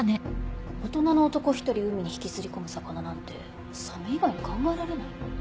大人の男１人海に引きずり込む魚なんてサメ以外に考えられない。